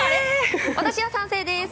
私は賛成です！